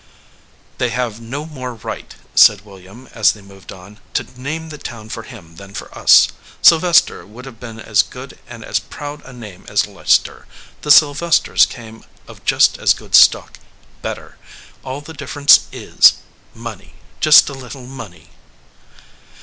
"They have no more right," said William, as they moved on, " to name the town for him than for us. Sylvester would have been as good and as proud a name as Leicester. The Sylvesters came of just as good stock better. All the difference is money, just a little money."